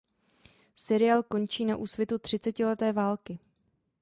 Seriál končí na úsvitu třicetileté války.